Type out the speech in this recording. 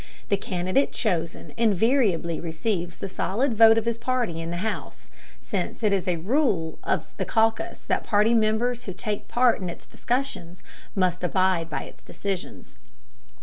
The candidate chosen invariably receives the solid vote of his party in the House, since it is a rule of the caucus that party members who take part in its discussions must abide by its decisions.